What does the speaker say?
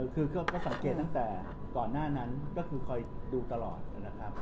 คือก็สังเกตตั้งแต่ก่อนหน้านั้นก็คือคอยดูตลอดนะครับ